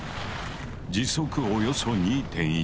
時速およそ２．１ｋｍ。